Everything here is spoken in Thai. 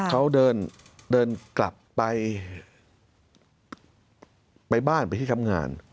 เขาเดินกลับไปไปบ้านไปที่ทำงาน